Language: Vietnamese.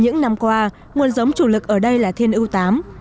những năm qua nguồn giống chủ lực ở đây là thiên ưu tám